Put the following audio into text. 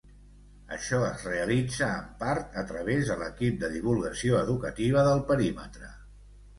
Això es realitza, en part, a través de l'equip de divulgació educativa del perímetre.